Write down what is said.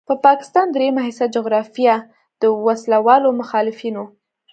د پاکستان دریمه حصه جغرافیه د وسلوالو مخالفینو